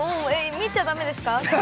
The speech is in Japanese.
◆見ちゃだめですか。